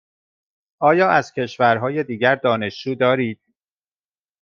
آیا از کشورهای دیگر دانشجو دارید؟